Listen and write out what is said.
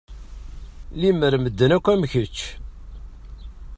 Lemmer medden akk am kečč.